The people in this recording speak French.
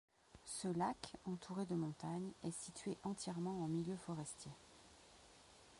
Ce lac, entouré de montagnes, est situé entièrement en milieu forestier.